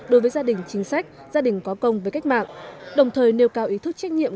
đối với gia đình chính sách gia đình có công với cách mạng đồng thời nêu cao ý thức trách nhiệm